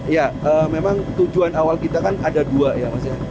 ya memang tujuan awal kita kan ada dua ya mas ya